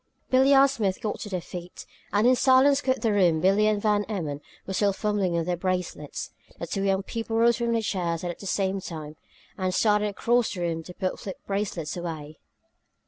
Billie and Smith got to their feet, and in silence quit the room Billie and Van Emmon were still fumbling with their bracelets. The two young people rose from the chairs at the same time and started across the room to put flip bracelets away.